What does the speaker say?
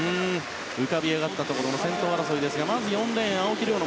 浮かび上がったところ先頭争いですがまず４レーン青木玲緒